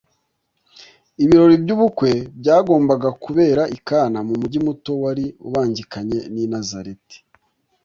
Ibirori by'ubukwe byagombaga kubera i Kana; mu mugi muto wari ubangikanye n'i Nazareti;